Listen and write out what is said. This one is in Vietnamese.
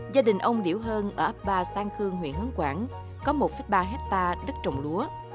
gia đình ông liễu hơn ở ấp ba sáng khương huyện hấn quảng có một ba hectare đất trồng lúa